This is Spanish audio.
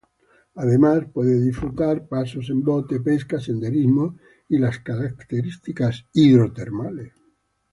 Además, puede disfrutar paseos en bote, pesca, senderismo y las características hidrotermales.